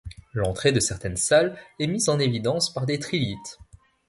L'entrée de certaines salles est mise en évidence par des trilithes.